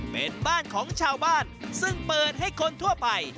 เป็นบ้านของชาวบ้านซึ่งเปิดให้คนทั่วไป